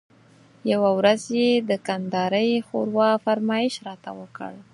یوه ورځ یې د کندارۍ ښوروا فرمایش راته وکړ.